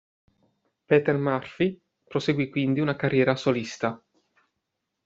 Peter Murphy proseguì quindi una carriera solista.